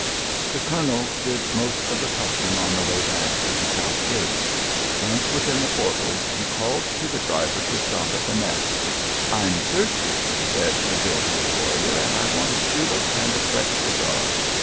The colonel did most of the talking on the way back to the south gate. Once within the portals he called to the driver to stop at the Mess. "I'm thirsty," said the jovial warrior, "and I want a julep and a fresh cigar.